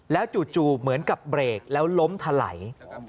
แล้วจู่เหมือนกับเบรกแล้วล้มถลัย